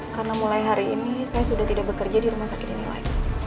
karena mulai hari ini saya sudah tidak bekerja di rumah sakit ini lagi